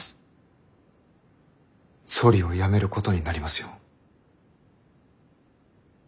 総理を辞めることになりますよ。